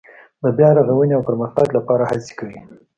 د بیا رغاونې او پرمختګ لپاره هڅې کوي.